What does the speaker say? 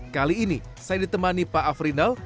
kali ini saya ditemani pak afrinal